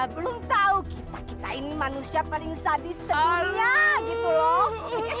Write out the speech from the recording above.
belum tahu kita kita ini manusia paling sadis saya gitu loh